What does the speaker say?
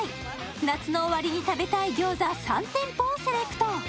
夏の終わりに食べたい餃子３店舗をセレクト。